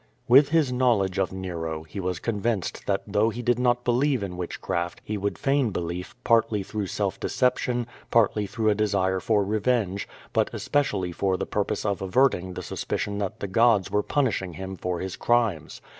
With his knowledge of Nero, he was convinced that though he did not believe in witchcraft he would feign believe, partly through self deception, partly through a desire for revenge, but especially for the purpose of averting the suspicion that the gods were punishing him for his crimes.